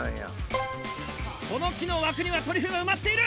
この木の枠にはトリュフが埋まっている！